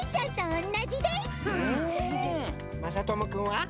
まさともくんは？